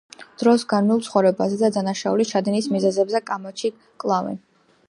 დროს განვლილ ცხოვრებაზე და დანაშაულის ჩადენის მიზეზებზე კამათში კლავენ.